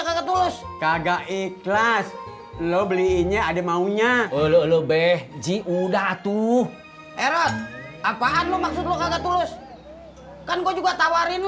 imper cynthia ikhlas lu belinya adik maunya beruu beji udah tuh eret apaan lu maksud lu anjur vitamus kan gue juga tawarin lu satu lagi sama yang berik diaper s drum ira ayem kau dan volatile